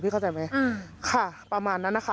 เข้าใจไหมค่ะประมาณนั้นนะคะ